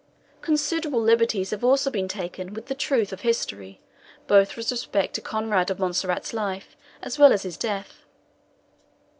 Considerable liberties have also been taken with the truth of history, both with respect to Conrade of Montserrat's life, as well as his death.